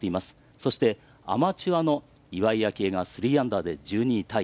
そしてアマチュアの岩井明愛が３アンダーで１２位タイ。